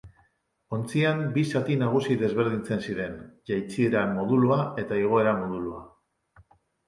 Ontzian bi zati nagusi desberdintzen ziren: jaitsiera-modulua eta igoera-modulua.